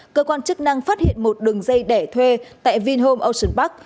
cơ quan chức năng phát hiện một đường dây đẻ thuê tại vinhome ocean park